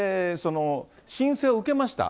申請を受けました、